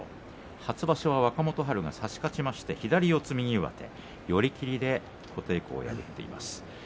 初場所は若元春が差し勝って左四つ右上手寄り切りで琴恵光を破りました。